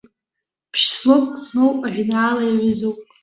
Ԥшь-слогк змоу ажәеинраала иаҩызоуп.